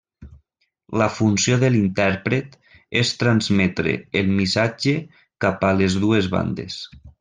La funció de l'intèrpret és transmetre el missatge cap a les dues bandes.